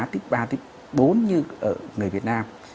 tích ba tích bốn như ở người việt nam